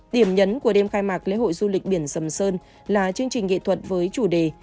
điểm nhấn của đêm khai mạc lễ hội du lịch biển sầm sơn là chương trình nghệ thuật với chủ đề